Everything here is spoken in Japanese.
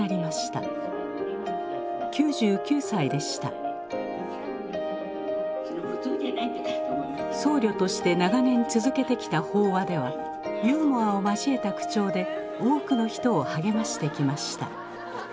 ９９歳でした僧侶として長年続けてきた法話ではユーモアを交えた口調で多くの人を励ましてきました